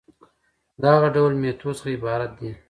د هغه ډول ميتود څخه عبارت دي